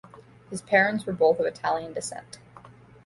His parents were both of Italian descent.